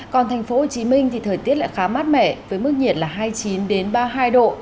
còn thành phố hồ chí minh thì thời tiết lại khá mát mẻ với mức nhiệt là hai mươi chín ba mươi hai độ